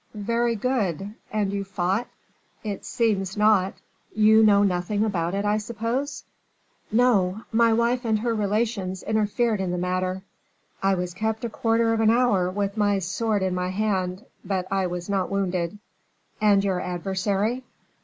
"Very good, and you fought?" "It seems not." "You know nothing about it, I suppose?" "No, my wife and her relations interfered in the matter. I was kept a quarter of an hour with my sword in my hand; but I was not wounded." "And your adversary?"